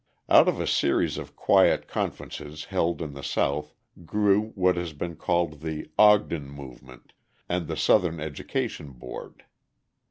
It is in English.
Out of a series of quiet conferences held in the South grew what has been called the "Ogden movement" and the Southern Education Board.